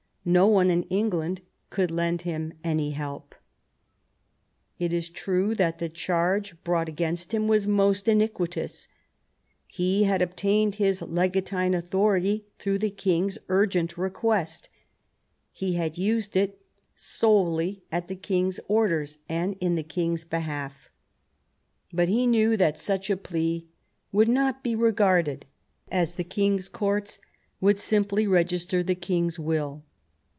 No one in England could lend him any help. It is true that the charge brought against him was most iniquitous. He had obtained his legatine authority through the king's urgent request ; he had used it solely at the king's orders, and in the king's behalf. But he knew that such a plea would not be regarded, as the king's courts would simply register the king's will.